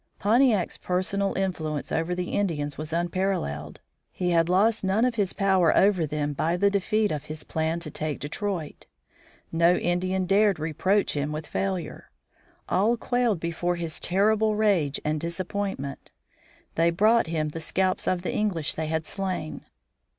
[Illustration: PONTIAC'S ELOQUENCE] Pontiac's personal influence over the Indians was unparalleled. He had lost none of his power over them by the defeat of his plan to take Detroit. No Indian dared reproach him with failure. All quailed before his terrible rage and disappointment. They brought him the scalps of the English they had slain.